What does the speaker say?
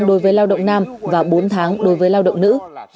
đối với lao động nam và bốn tháng đối với lao động nữ